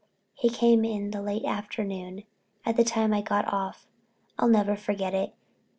He came in the late afternoon, at the time I got off. I'll never forget it.